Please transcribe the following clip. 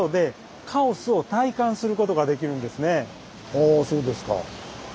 ああそうですか。